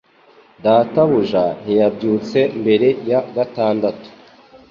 data buja ntiyabyutse mbere ya gatandatu